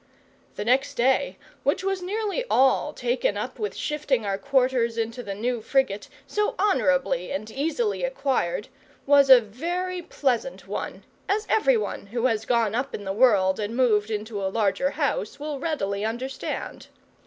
The next day, which was nearly all taken up with shifting our quarters into the new frigate, so honourably and easily acquired, was a very pleasant one, as everyone who has gone up in the world and moved into a larger house will readily understand.